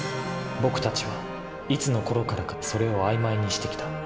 僕たちはいつのころからか「それ」を曖昧にしてきた。